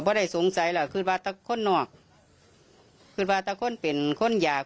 ว่าเธอสงสัยเพื่อกับคนที่แหลกนะ